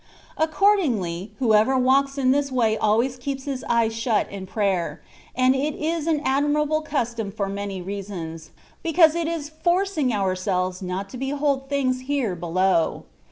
Accordingly, whoever walks in this way always keeps his eyes shut in prayer ; and it is an admi rable custom for many reasons, because it is /om/ip' ourselves not to behold things here below.